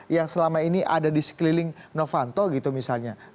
yang selama ini ada di sekeliling novanto gitu misalnya